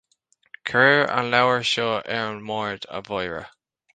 Cuir an leabhar seo ar an mbord, a Mháire